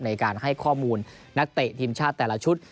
ในการให้ข้อมูลนักเตะทีมชาติแต่ละชุด